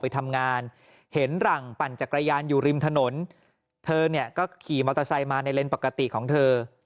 เธอเนี่ยก็ขี่มอเตอร์ไซต์มาในเลนส์ปกติของเธอ